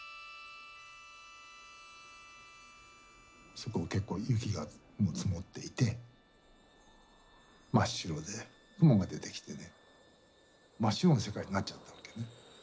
そこも結構雪がもう積もっていて真っ白で雲が出てきてね真っ白な世界になっちゃったわけね。